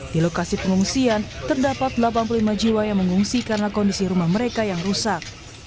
di lokasi pengungsian terdapat delapan puluh lima jiwa yang mengungsi karena kondisi rumah mereka yang rusak